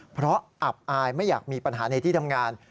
เพราะอับอายไม่อยากมีปัญหาในที่ทำงาน